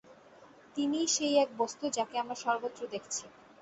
তিনিই সেই এক বস্তু, যাঁকে আমরা সর্বত্র দেখছি।